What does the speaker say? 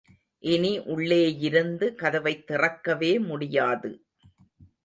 இனி உள்ளேயிருந்து கதவைத் திறக்கவே முடியாது.